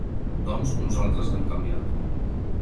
Doncs, nosaltres l’hem canviat!